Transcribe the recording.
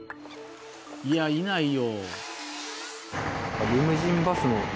いやいないよ。